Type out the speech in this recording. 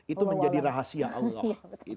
itu menjadi rahasia allah